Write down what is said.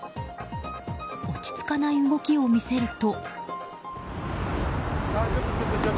落ち着かない動きを見せると。